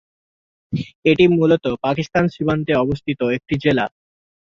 এটি মুলত পাকিস্তান সীমান্তে অবস্থিত একটি জেলা।